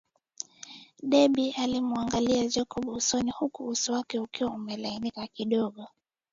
Debby alimuangalia Jacob usoni huku uso wake ukiwa umelainika kidogo